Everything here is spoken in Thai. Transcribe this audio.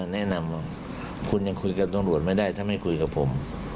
แนะนำว่าคุณยังคุยกับตำรวจไม่ได้ถ้าไม่คุยกับผม